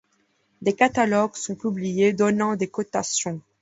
Des catalogues sont publiés, donnant des cotations.